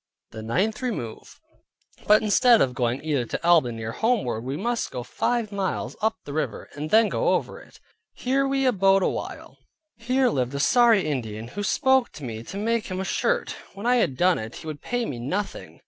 THE NINTH REMOVE But instead of going either to Albany or homeward, we must go five miles up the river, and then go over it. Here we abode a while. Here lived a sorry Indian, who spoke to me to make him a shirt. When I had done it, he would pay me nothing.